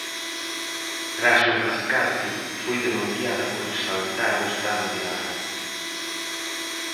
Tras o rescate, foi denunciada por saltar o estado de alarma.